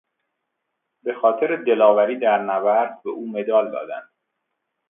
به خاطر دلاوری در نبرد به او مدال دادند.